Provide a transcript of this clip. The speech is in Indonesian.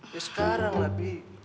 ya sekarang lah b